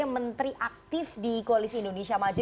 menteri aktif di koalisi indonesia maju